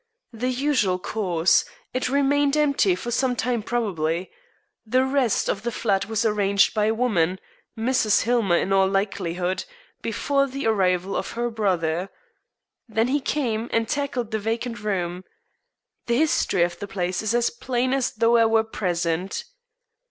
"The usual course. It remained empty for some time probably. The rest of the flat was arranged by a woman Mrs. Hillmer in all likelihood before the arrival of her brother. Then he came and tackled the vacant room. The history of the place is as plain as though I were present.